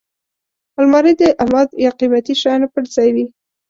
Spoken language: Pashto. الماري د الماس یا قېمتي شیانو پټ ځای وي